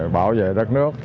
bảo vệ đất nước